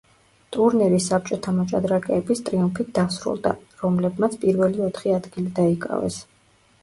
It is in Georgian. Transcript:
ტურნირი საბჭოთა მოჭადრაკეების ტრიუმფით დასრულდა, რომლებმაც პირველი ოთხი ადგილი დაიკავეს.